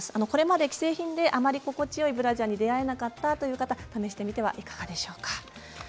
これまで既製品であまり心地よいブラジャーに出会えなかった方は試してみるといかがでしょうか。